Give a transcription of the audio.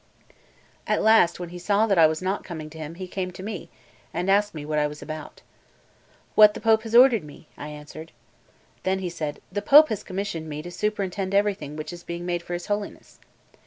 At last, when he saw that I was not coming to him, he came to me, and asked me what I was about. "What the Pope has ordered me," I answered. Then he said: "The Pope has commissioned me to superintend everything which is being made for his Holiness."